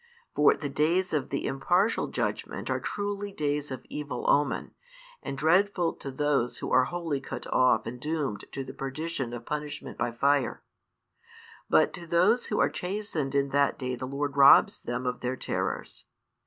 For the days of the impartial judgment are truly days of evil omen, and dreadful to those who are wholly cut off and doomed to the perdition of punishment by fire; but to those who are chastened in that day the Lord robs them of their terrors.